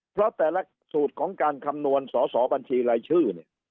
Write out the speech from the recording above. เพราะแต่ละสูตรของการคำนวณสอสอบัญชีรายชื่อเนี่ย